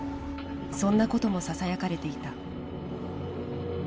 そんなこともささやかれていた。